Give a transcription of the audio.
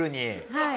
はい。